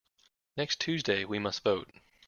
Next Tuesday we must vote.